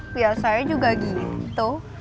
biasanya juga gitu